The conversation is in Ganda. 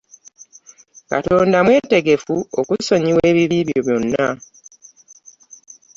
katonda bwetegefu okusonyiwa ebibi byo byonna